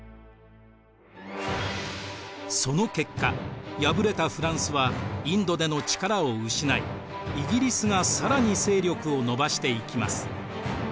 その結果敗れたフランスはインドでの力を失いイギリスが更に勢力を伸ばしていきます。